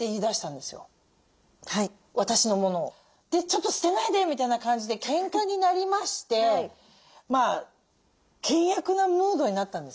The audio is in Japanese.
「ちょっと捨てないで！」みたいな感じでけんかになりまして険悪なムードになったんですね。